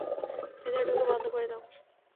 ভেতরে ঢুকিয়ে বন্ধ করে দাও!